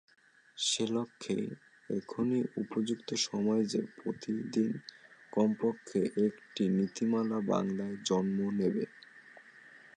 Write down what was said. সেলক্ষ্যে এখনই উপযুক্ত সময় যে, প্রতিদিন কমপক্ষে একটি নীতিমালা বাংলায় জন্ম নেবে।